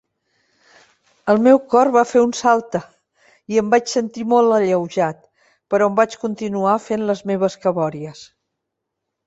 El meu cor va fer un salta i em vaig sentir molt alleujat, però em vaig continuar fent les meves cabòries.